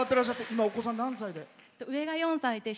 今お子さん何歳で？